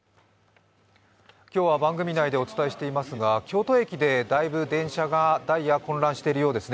今日は番組内でお伝えしていますが京都駅でだいぶダイヤが混乱しているようですね。